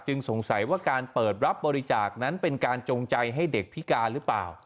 สงสัยว่าการเปิดรับบริจาคนั้นเป็นการจงใจให้เด็กพิการหรือเปล่า